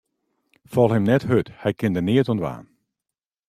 Fal him net hurd, hy kin der neat oan dwaan.